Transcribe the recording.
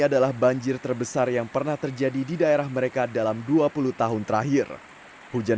adalah banjir terbesar yang pernah terjadi di daerah mereka dalam dua puluh tahun terakhir hujan